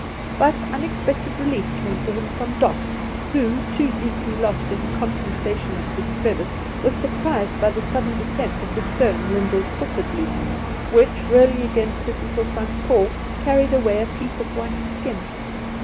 But unexpected relief came to him from Doss, who, too deeply lost in contemplation of his crevice, was surprised by the sudden descent of the stone Lyndall's foot had loosened, which, rolling against his little front paw, carried away a piece of white skin.